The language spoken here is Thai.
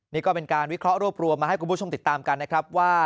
นี่ก็เป็นการวิเคราะห์รวบรวมมาให้คุณผู้ชมติดตามกันนะครับว่า